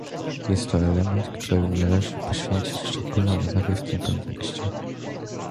Jest to element, któremu należy poświęcić szczególną uwagę w tym kontekście